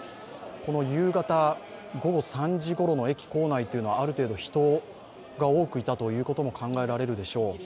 この夕方午後３時ごろの駅構内というのはある程度、人が多くいたということも考えられるでしょう。